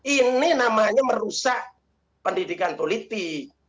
ini namanya merusak pendidikan politik